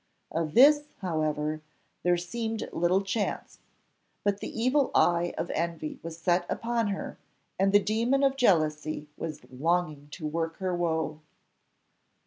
Of this, however, there seemed little chance; but the evil eye of envy was set upon her, and the demon of jealousy was longing to work her woe.